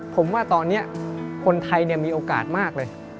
ผมว่าตอนนี้คนไทยมีโอกาสมากเลย